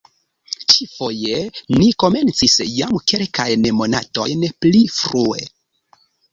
Ĉi-foje ni komencis jam kelkajn monatojn pli frue.